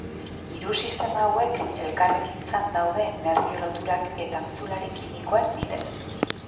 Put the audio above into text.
Hiru sistema hauek elkarrekintzan daude nerbio-loturak eta mezulari kimikoen bidez.